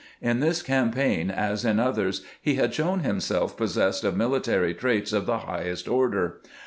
In this campaign, as in otliers, he had shown himself possessed of military traits of the highest order.